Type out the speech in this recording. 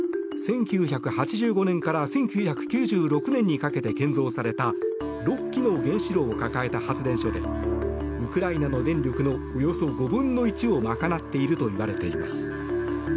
１９８５年から１９９６年にかけて建造された６基の原子炉を抱えた発電所でウクライナの電力のおよそ５分の１を賄っているといわれています。